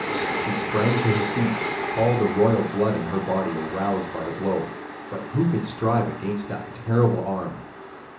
She sprang to her feet, all the royal blood in her body aroused by the blow; but who could strive against that terrible arm?